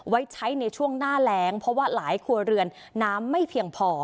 ไว้ใช้ในช่วงหน้าแรงเพราะว่าหลายครัวเรือนน้ำไม่เพียงพอ